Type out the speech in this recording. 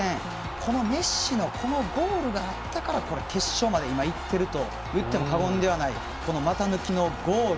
このメッシのゴールがあったから決勝まで今いっているといっても過言ではない股抜きのゴール。